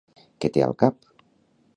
Què té al cap?